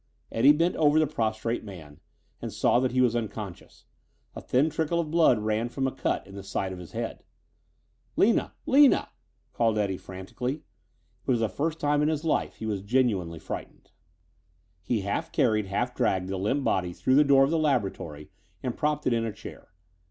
Eddie bent over the prostrate man and saw that he was unconscious. A thin trickle of blood ran from a cut in the side of his head. "Lina! Lina!" called Eddie frantically. For the first time in his life he was genuinely frightened. He half carried, half dragged the limp body through the door of the laboratory and propped it in a chair.